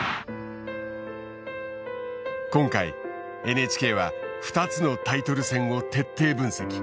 今回ＮＨＫは２つのタイトル戦を徹底分析。